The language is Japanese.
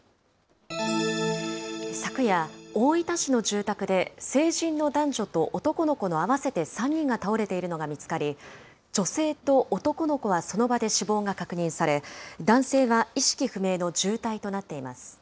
昨夜、大分市の住宅で、成人の男女と男の子の合わせて３人が倒れているのが見つかり、女性と男の子はその場で死亡が確認され、男性は意識不明の重体となっています。